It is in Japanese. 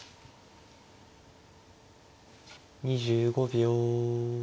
２５秒。